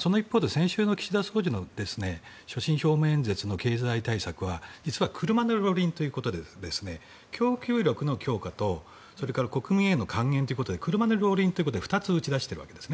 その一方で先週の岸田総理の所信表明演説の経済対策は実は車の両輪ということで供給力の強化と国民への還元ということで車の両輪ということで２つ打ち出しているわけですね。